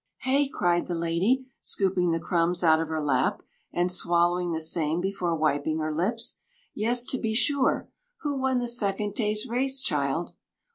"Hey!" cried the lady, scooping the crumbs out of her lap, and swallowing the same before wiping her lips. "Yes, to be sure. Who won the second day's race, child?"